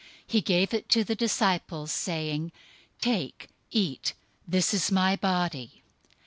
He gave to the disciples, and said, "Take, eat; this is my body."